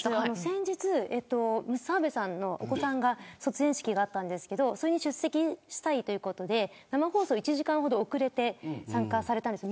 先日澤部さんのお子さんの卒園式があったんですけど出席したいということで生放送に１時間ほど遅れて参加しました。